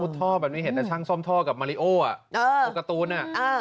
ท่อแบบนี้เห็นแต่ช่างซ่อมท่อกับมาริโออ่ะตัวการ์ตูนอ่ะ